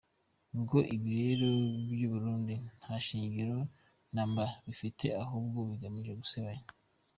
Ngo ibi birego by’u Burundi nta shingiro na mba bifite ahubwo bigamije gusebanya.